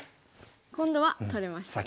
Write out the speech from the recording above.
今度は取れましたね。